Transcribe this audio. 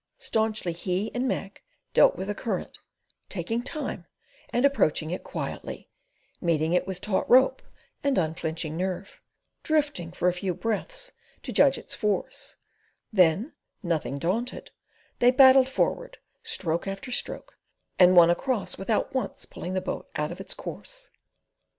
Staunchly he and Mac dealt with the current: taking time and approaching it quietly, meeting it with taut rope and unflinching nerve, drifting for a few breaths to judge its force; then, nothing daunted, they battled forward, stroke after stroke, and won across without once pulling the boat out of its course.